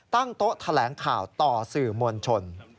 ตั้งโต๊ะแถลงข่าวต่อสื่อมวลชน